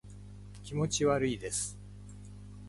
気持ち悪いです